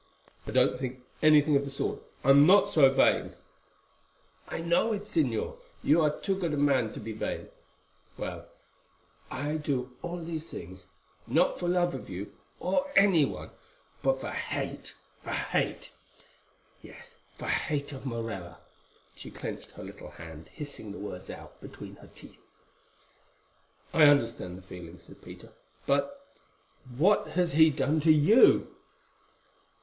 "I don't think anything of the sort; I am not so vain." "I know it, Señor, you are too good a man to be vain. Well, I do all these things, not for love of you, or any one, but for hate—for hate. Yes, for hate of Morella," and she clenched her little hand, hissing the words out between her teeth. "I understand the feeling," said Peter. "But—but what has he done to you?"